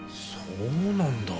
そうなんだ。